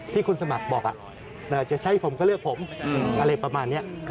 ที่คุณสมัครบอกจะใช้ผมก็เลือกผมอะไรประมาณนี้